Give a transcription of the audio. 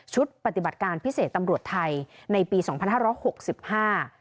ปฏิบัติการพิเศษตำรวจไทยในปีสองพันห้าร้อยหกสิบห้า